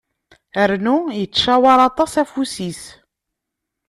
Rnu, yettcawar aṭas afus-is.